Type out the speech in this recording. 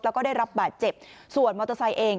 แล้วก็ได้รับบาดเจ็บส่วนมอเตอร์ไซค์เอง